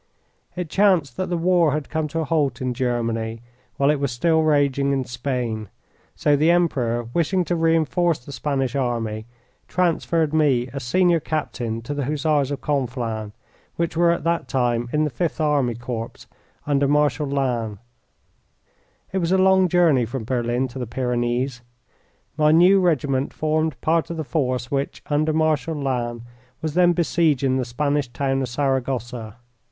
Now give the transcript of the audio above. It chanced that the war had come to a halt in Germany, while it was still raging in Spain, so the Emperor, wishing to reinforce the Spanish army, transferred me as senior captain to the Hussars of Conflans, which were at that time in the Fifth Army Corps under Marshal Lannes. It was a long journey from Berlin to the Pyrenees. My new regiment formed part of the force which, under Marshal Lannes, was then besieging the Spanish town of Saragossa.